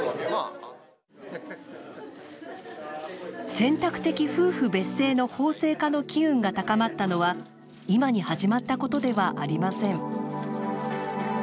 選択的夫婦別姓の法制化の機運が高まったのは今に始まったことではありません。